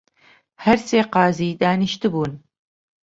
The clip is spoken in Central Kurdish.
هەر سێ قازی دانیشتبوون